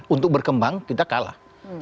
untuk berkembang kita kalah